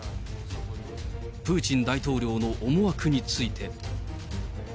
プーチン大統領の思惑について。